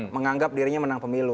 menganggap dirinya menang pemilu